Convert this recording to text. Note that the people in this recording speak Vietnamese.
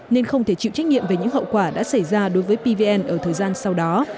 nên không thể chịu trách nhiệm về những hậu quả đã xảy ra đối với pvn ở thời gian sau đó